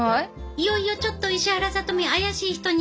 いよいよちょっと石原さとみ怪しい人に。